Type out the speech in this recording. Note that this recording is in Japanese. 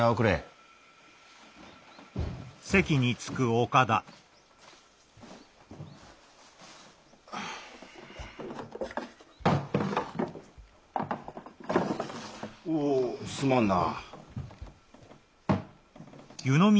おうすまんな。